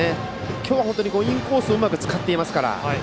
今日はインコースを、本当にうまく使っていますから。